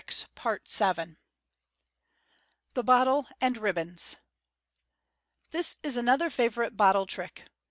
370 MODERN MAGIC. The Bottle and Ribbons.— This is another favourite bottk trick.